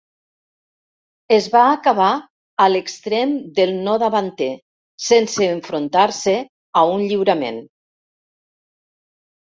Es va acabar a l'extrem del no davanter sense enfrontar-se a un lliurament.